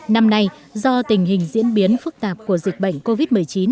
năm nay do tình hình diễn biến phức tạp của dịch bệnh covid một mươi chín